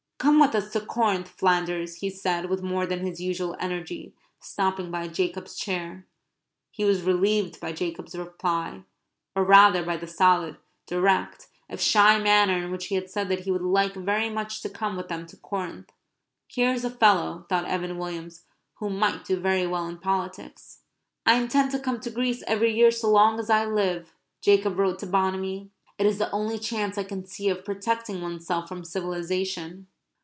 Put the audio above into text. "Come with us to Corinth, Flanders," he said with more than his usual energy, stopping by Jacob's chair. He was relieved by Jacob's reply, or rather by the solid, direct, if shy manner in which he said that he would like very much to come with them to Corinth. "Here is a fellow," thought Evan Williams, "who might do very well in politics." "I intend to come to Greece every year so long as I live," Jacob wrote to Bonamy. "It is the only chance I can see of protecting oneself from civilization."